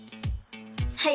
はい！